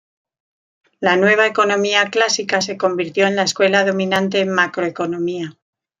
La nueva economía clásica se convirtió en la escuela dominante en macroeconomía.